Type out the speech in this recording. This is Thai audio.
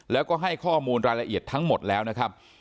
แล้วก็ให้ข้อมูลรายละเอียดทั้งหมดแล้วนะครับ